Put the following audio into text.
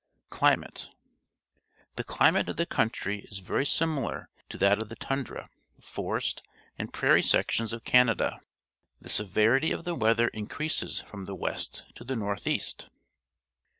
Climate. — The climate of the country is very similar to that of the tundra, forest, and prairie sections of Canada. The severity of the winter increa.ses from the west to the north east.